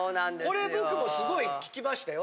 これ僕もすごい聞きましたよ。